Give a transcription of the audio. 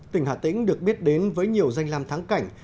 tỉnh hà tĩnh được biết đến với nhiều danh lam thắng cảnh